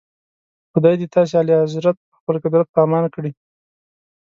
خدای دې تاسي اعلیحضرت په خپل قدرت په امان کړي.